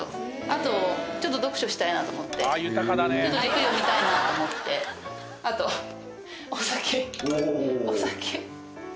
あとちょっと読書したいなと思ってちょっとゆっくり読みたいなと思ってあとお酒おおお酒